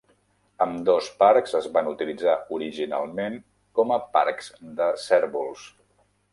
Ambdós parcs es van utilitzar originalment com a parcs de cérvols.